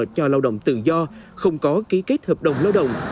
cho lao động tự do không có ký kết hợp đồng lao động